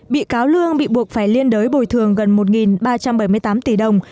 bị cáo lương bị buộc phải liên đới bồi thường gần một ba trăm bảy mươi tám tỷ đồng